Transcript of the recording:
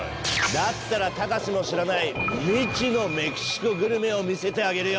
だったら隆も知らない未知のメキシコグルメを見せてあげるよ！